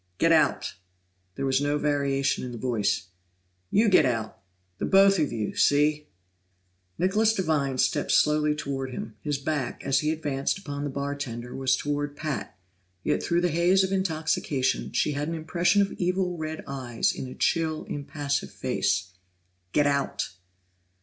"Get out!" There was no variation in the voice. "You get out! The both of you, see?" Nicholas Devine stepped slowly toward him; his back, as he advanced upon the bartender, was toward Pat, yet through the haze of intoxication, she had an impression of evil red eyes in a chill, impassive face. "Get out!"